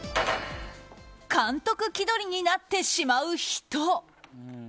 監督気取りになってしまう人。